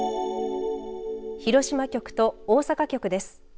広島局と大阪局です。